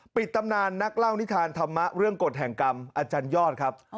ตำนานนักเล่านิทานธรรมะเรื่องกฎแห่งกรรมอาจารยอดครับ